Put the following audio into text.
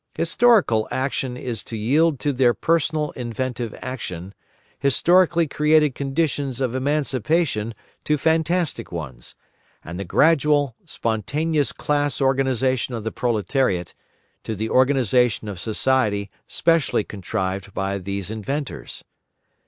Historical action is to yield to their personal inventive action, historically created conditions of emancipation to fantastic ones, and the gradual, spontaneous class organisation of the proletariat to the organisation of society specially contrived by these inventors.